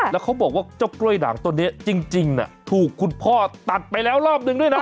แล้วเขาบอกว่าเจ้ากล้วยด่างตัวนี้จริงถูกคุณพ่อตัดไปแล้วรอบนึงด้วยนะ